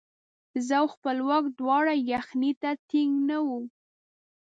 زه او خپلواک دواړه یخنۍ ته ټینګ نه وو.